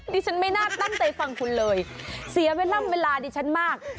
ดิฉันไม่น่าตั้งใจฟังคุณเลยเสียเวลาดิฉันมาก